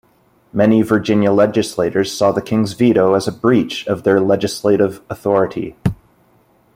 Many Virginia legislators saw the king's veto as a breach of their legislative authority.